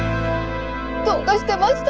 どうかしてました。